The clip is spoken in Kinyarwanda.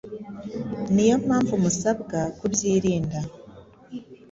niyo mpamvu musabwa kubyirinda”.